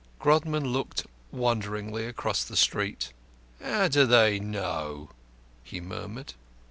Grodman looked wonderingly towards the street. "How do they know?" he murmured.